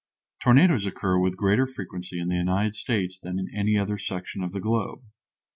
Tornadoes occur with greater frequency in the United States than in any other section of the globe.